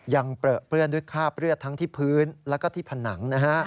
ยังเปลือนด้วยคาดเลือดทั้งที่พื้นแล้วก็ที่ผนัง